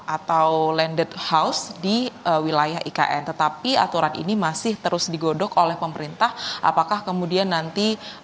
atau landed house di wilayah ikn tetapi aturan ini masih terus digodok oleh pemerintah apakah kemudian nanti